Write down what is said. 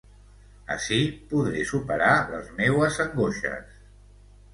Ací podré superar les meues angoixes.